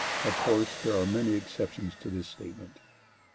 Of course there are many exceptions to this statement.